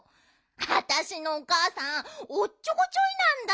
あたしのおかあさんおっちょこちょいなんだ。